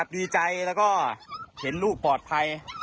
ดีใจแล้วก็เห็นลูกปลอดภัย